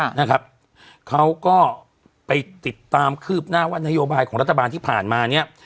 นะครับเขาก็ไปติดตามคืบหน้าว่านโยบายของรัฐบาลที่ผ่านมาเนี้ย